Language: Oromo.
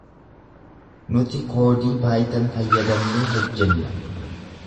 Nuti koodii 'Python' fayyadamnee hojjenna.